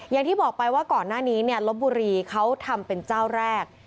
อย่างที่บอกไปว่าก่อนหน้านี้ลบบุรีเขาทำเป็นเจ้าแรก